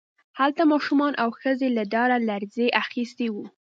هلته ماشومان او ښځې له ډاره لړزې اخیستي وو